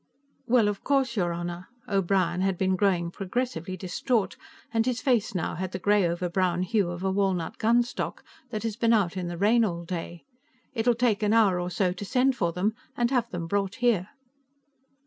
"Well, of course, your Honor." O'Brien had been growing progressively distraught, and his face now had the gray over brown hue of a walnut gunstock that has been out in the rain all day. "It'll take an hour or so to send for them and have them brought here."